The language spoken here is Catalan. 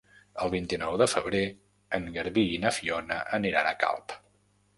El vint-i-nou de febrer en Garbí i na Fiona aniran a Calp.